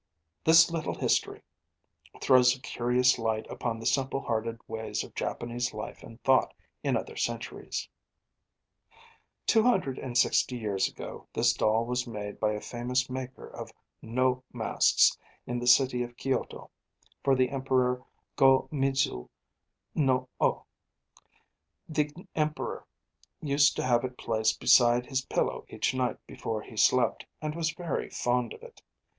This little history throws a curious light upon the simple hearted ways of Japanese life and thought in other centuries: 'Two hundred and sixty years ago this doll was made by a famous maker of No masks in the city of Kyoto, for the Emperor Go midzu no O. The Emperor used to have it placed beside his pillow each night before he slept, and was very fond of it.